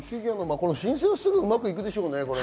申請はうまくいくでしょうね。